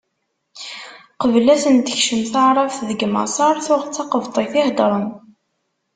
Qbel ad ten-tekcem taɛrabt, deg Maṣer tuɣ d taqebṭit i heddren.